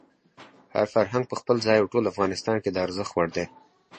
هر فرهنګ په خپل ځای او ټول افغانستان کې د ارزښت وړ دی.